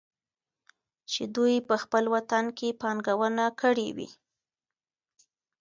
چې دوي په خپل وطن کې پانګونه کړى وى.